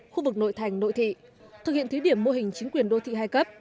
khu vực nội thành nội thị thực hiện thí điểm mô hình chính quyền đô thị hai cấp